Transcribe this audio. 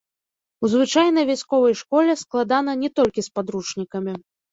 У звычайнай вясковай школе складана не толькі з падручнікамі.